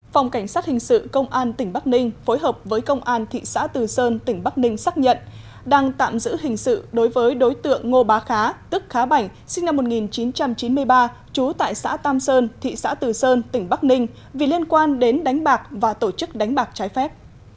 phòng cảnh sát hình sự công an tỉnh bắc ninh phối hợp với công an thị xã từ sơn tỉnh bắc ninh xác nhận đang tạm giữ hình sự đối với đối tượng ngô bá khá tức khá bảnh sinh năm một nghìn chín trăm chín mươi ba trú tại xã tam sơn thị xã từ sơn tỉnh bắc ninh vì liên quan đến đánh bạc và tổ chức đánh bạc trái phép